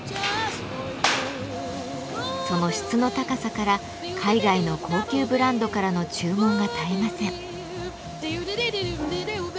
その質の高さから海外の高級ブランドからの注文が絶えません。